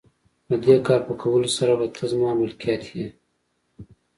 د دې کار په کولو سره به ته زما ملکیت یې.